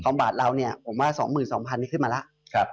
ของบาทเราเนี่ยผมว่าสองหมื่นสองพันที่ขึ้นมาแล้วครับ